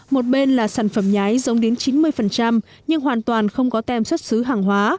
một bên là sản phẩm nhái giống đến chín mươi nhưng hoàn toàn không có tem xuất xứ hàng hóa